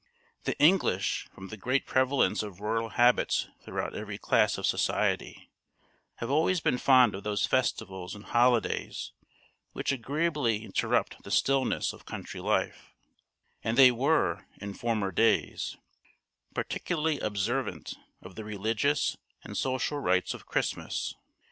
The English, from the great prevalence of rural habits throughout every class of society, have always been fond of those festivals and holidays which agreeably interrupt the stillness of country life; and they were, in former days, particularly observant of the religious and social rites of Christmas.